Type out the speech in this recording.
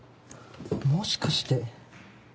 もしかして。